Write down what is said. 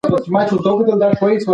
د وینې فشار وخت په وخت وګورئ.